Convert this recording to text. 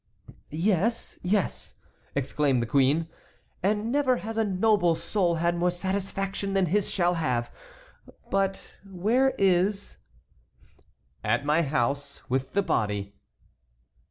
"Yes, yes," exclaimed the queen, "and never has a noble soul had more satisfaction than his shall have; but where is"— "At my house with the body."